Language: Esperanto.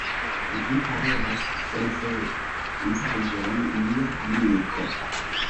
Vi parolas sensencaĵon, mia amiko.